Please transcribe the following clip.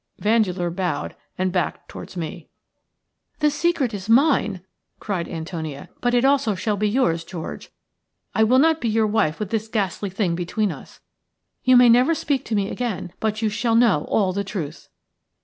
Vandeleur bowed and backed towards me. "The secret is mine," cried Antonia, "but it also shall be yours, George. I will not be your wife with this ghastly thing between us. You may never speak to me again, but you shall know all the truth."